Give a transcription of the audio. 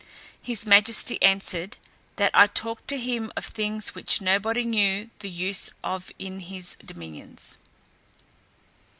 His majesty answered, that I talked to him of things which nobody knew the use of in his dominions.